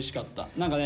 何かね